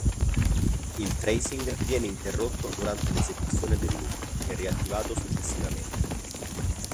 Il tracing viene interrotto durante l'esecuzione del loop e riattivato successivamente.